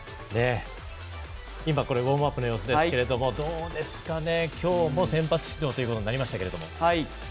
ウォームアップの様子ですけどもどうですかね、今日も先発出場ということになりましたけど。